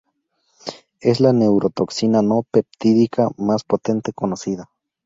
Es la neurotoxina no peptídica más potente conocida.